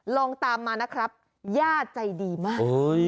ลองตามมานะครับย่าใจดีมาก